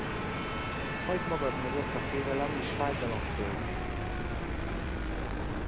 Hagyd magad mögött a félelem és fájdalom földjét.